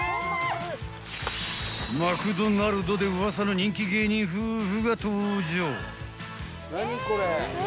マクドナルドで噂の人気芸人夫婦が登場。